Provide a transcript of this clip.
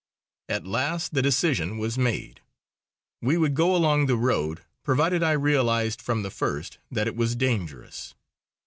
At last the decision was made. We would go along the road, provided I realised from the first that it was dangerous.